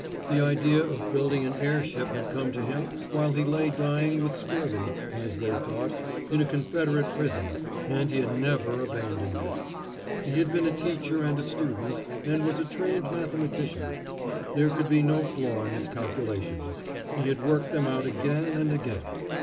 The idea of building an air ship had come to him while he lay dying with scurvy, as they thought, in a Confederate prison, and he had never abandoned it. He had been a teacher and a student, and was a trained mathematician. There could be no flaw in his calculations. He had worked them out again and again.